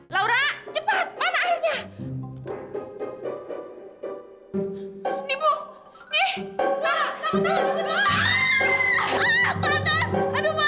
sampai jumpa di video selanjutnya